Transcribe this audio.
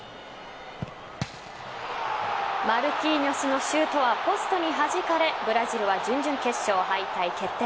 マルキーニョスのシュートはポストにはじかれブラジルは準々決勝敗退決定。